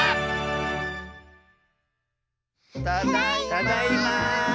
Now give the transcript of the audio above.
ただいま！